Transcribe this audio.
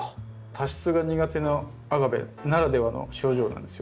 多湿が苦手なアガベならではの症状なんですよ。